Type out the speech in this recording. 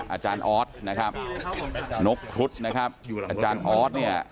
อาจารย์ออสนะครับนกครุฑนะครับอาจารย์ออสเนี่ย